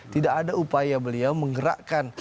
tidak ada upaya beliau menggerakkan